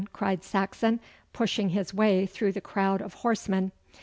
cried Saxon, pushing his way through the crowd of horsemen.